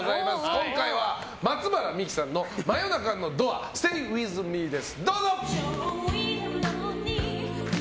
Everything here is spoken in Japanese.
今回は、松原みきさんの「真夜中のドアＳｔａｙＷｉｔｈＭｅ」。イエーイ！